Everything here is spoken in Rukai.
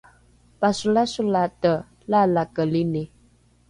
pasolasolate laalakelini